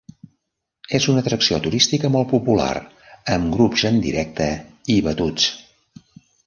És una atracció turística molt popular, amb grups en directe i batuts.